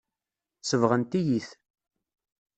Sebɣent-iyi-t.